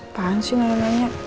apaan sih nenek neneknya